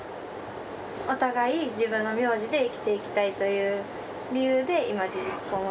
お互い自分の名字で生きていきたいという理由で今事実婚を。